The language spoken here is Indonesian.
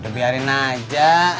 udah biarin aja